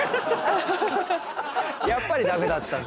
やっぱりダメだったんだ。